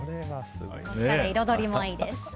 彩りもいいです。